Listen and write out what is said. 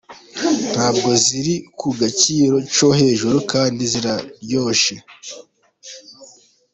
Ntabwo ziri ku giciro cyo hejuru kandi ziraryoshye.